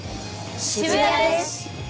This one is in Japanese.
渋谷です。